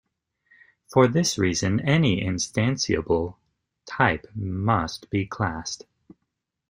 For this reason, any instantiable type must be classed.